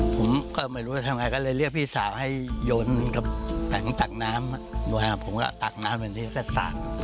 ผมก็ไม่รู้ทำไมก็เลยเรียกพี่สาวให้ยนต์กับตักน้ำผมก็ตักน้ำไปนี่ก็สาด